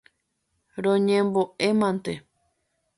Roñembo'e mante.